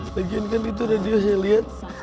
lagian kan itu radio saya lihat